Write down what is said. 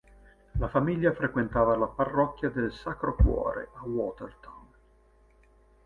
La famiglia frequentava la parrocchia del Sacro Cuore a Watertown.